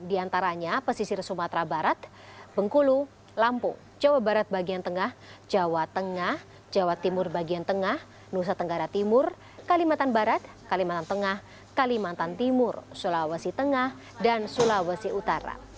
di antaranya pesisir sumatera barat bengkulu lampung jawa barat bagian tengah jawa tengah jawa timur bagian tengah nusa tenggara timur kalimantan barat kalimantan tengah kalimantan timur sulawesi tengah dan sulawesi utara